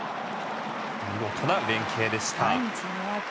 見事な連携でした。